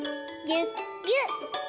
ぎゅっぎゅっ。